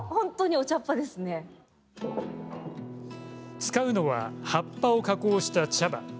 使うのは葉っぱを加工した茶葉。